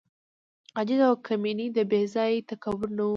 عجز او کمیني د بې ځای تکبر نه وه غالبه.